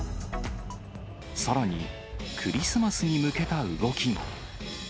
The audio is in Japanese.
さらにクリスマスに向けた動きも。